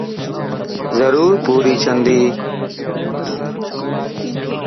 ضرور پوري ڇندي